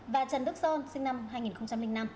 và trần đức son sinh năm hai nghìn năm